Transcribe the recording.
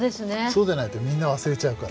そうでないとみんな忘れちゃうから。